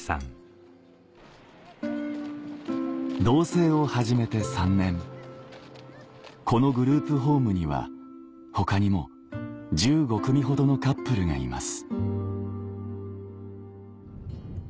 同棲を始めて３年このグループホームには他にも１５組ほどのカップルがいます